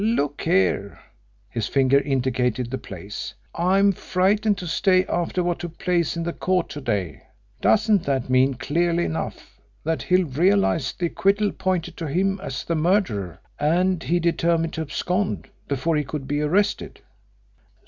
"Look here!" his finger indicated the place "'I'm frightened to stay after what took place in the court to day,' Doesn't that mean, clearly enough, that Hill realised the acquittal pointed to him as the murderer, and he determined to abscond before he could be arrested?"